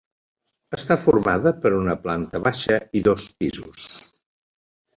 Està formada per una planta baixa i dos pisos.